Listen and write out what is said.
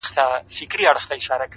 مسافر پر لاري ځکه د ارمان سلګی وهمه!